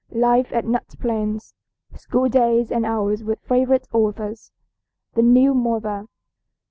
LIFE AT NUT PLAINS. SCHOOL DAYS AND HOURS WITH FAVORITE AUTHORS. THE NEW MOTHER.